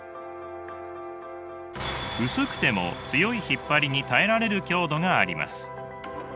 薄くても強い引っ張りに耐えられる強度があります。